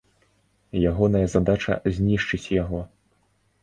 Ягоная задача знішчыць яго.